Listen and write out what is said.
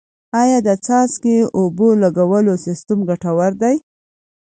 آیا د څاڅکي اوبو لګولو سیستم ګټور دی؟